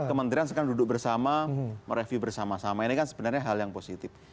kementerian sekarang duduk bersama mereview bersama sama ini kan sebenarnya hal yang positif